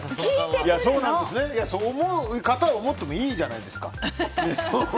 そう思う方は思ってもいいじゃないですか。